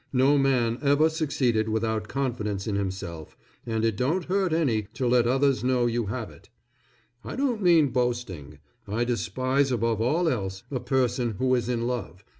No man ever succeeded without confidence in himself, and it don't hurt any to let others know you have it. I don't mean boasting. I despise above all else a person who is in love.